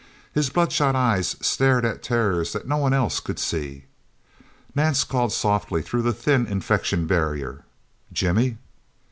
His bloodshot eyes stared at terrors that no one else could see. Nance called softly through the thin infection barrier. "Jimmy!"